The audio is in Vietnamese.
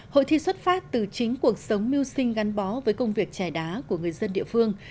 hội thi xuất phát từ chính cuộc sống mưu sinh gắn bó với công việc trẻ đá của người dân địa phương